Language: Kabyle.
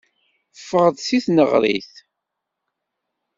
Ffeɣ-d seg tneɣrit.